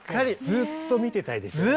ずっと見てたいですよね。